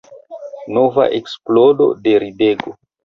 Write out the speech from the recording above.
Nova eksplodo de ridego.